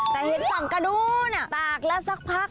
แต่เห็นฝั่งกระนู้นตากแล้วสักพัก